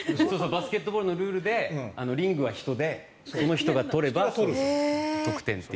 バスケットボールのルールで、リングは人手この人が取れば得点という。